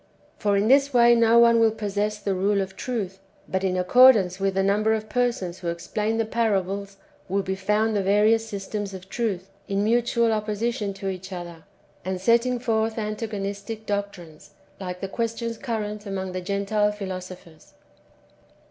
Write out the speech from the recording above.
^] For in this way no one will possess the rule of truth ; but in accordance with the number of persons who explain the parables will be found the various systems of truth, in mutual opposition to each other, and setting forth antagonistic doctrines, like the questions current among the Gentile philosophers.